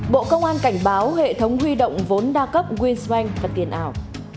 bộ công an cảnh báo hệ thống huy động vốn đa cấp winsbank vật tiền ảo